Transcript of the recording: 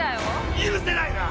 許せないな！